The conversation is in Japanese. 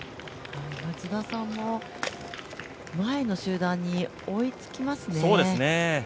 松田さんも前の集団に追いつきますね。